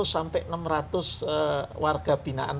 empat ratus sampai enam ratus warga binaan